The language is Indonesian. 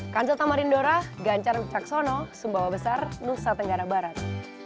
kansel tamarindora gancar caksono sumbawa besar nusa tenggara barat